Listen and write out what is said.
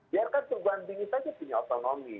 biarkan perguruan tinggi saja punya otonomi